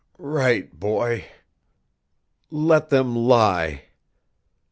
"Right, boy. Let them lie...."